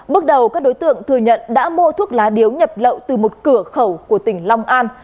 bước đầu các đối tượng thừa nhận đã mua thuốc lá điếu nhập lậu từ một cửa khẩu của tỉnh long an